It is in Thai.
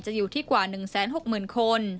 อยู่ที่กว่า๑๖๐๐๐คน